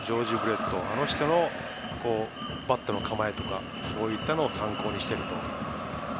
あの人のバットの構えとかそういったのを参考にしていると。